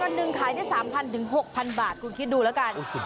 วันหนึ่งขายได้๓๐๐๖๐๐บาทคุณคิดดูแล้วกัน